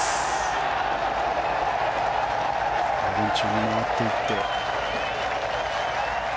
午前中に回っていって。